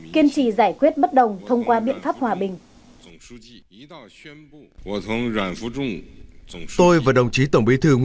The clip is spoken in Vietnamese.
kiên trì giải quyết bất đồng thông qua biện pháp hòa bình